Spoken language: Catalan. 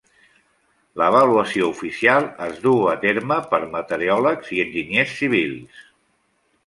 L'avaluació oficial es duu a terme per meteoròlegs i enginyers civils.